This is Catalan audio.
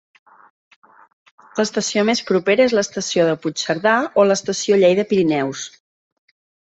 L'estació més propera és l'Estació de Puigcerdà o l'Estació Lleida-Pirineus.